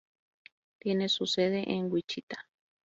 Tiene su sede en Wichita.